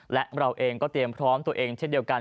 และเราเองก็เตรียมพร้อมตัวเองเช่นเดียวกัน